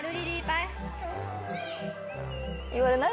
言われない？